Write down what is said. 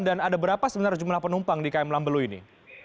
dan ada berapa sebenarnya jumlah penumpang di km lambelu ini